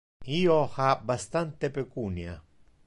Io ha bastante pecunia.